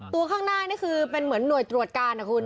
ข้างหน้านี่คือเป็นเหมือนหน่วยตรวจการนะคุณ